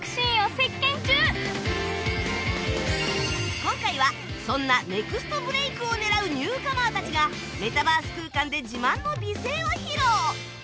今回はそんなネクストブレークを狙うニューカマーたちがメタバース空間で自慢の美声を披露